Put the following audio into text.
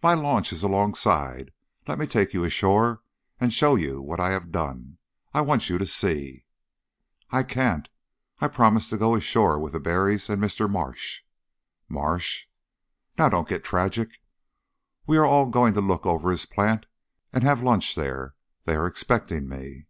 "My launch is alongside; let me take you ashore and show you what I have done. I want you to see." "I can't. I promised to go ashore with the Berrys and Mr. Marsh." "Marsh!" "Now don't get tragic! We are all going to look over his plant and have lunch there they are expecting me.